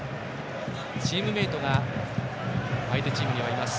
チームメートが相手チームにはいます。